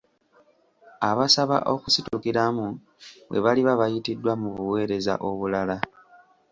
Abasaba okusitukiramu bwe baliba bayitiddwa mu buweereza obulala.